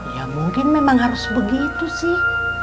ya mungkin memang harus begitu sih